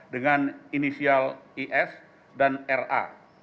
dengan inisial is dan ra